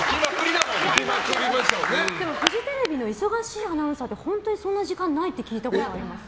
でも、フジテレビの忙しいアナウンサーって本当にそんな時間ないって聞いたことあります。